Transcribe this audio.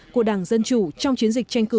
của đảng dân chủ trong chiến dịch tranh cử